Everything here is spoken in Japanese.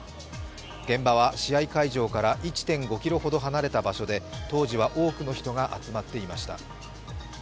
現場は試合会場から１．５ｋｍほど離れた場所で、当時は多くの人が集まっていました。